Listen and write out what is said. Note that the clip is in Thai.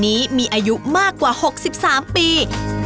นี้มีอายุมากกว่า๖๓ปี